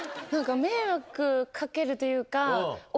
迷惑掛けるというか。